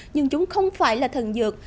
nhưng chúng không phải là thần dược